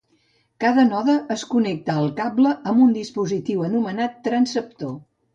Cada node es connecta al cable amb un dispositiu anomenat transceptor.